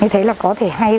thế là có thể hay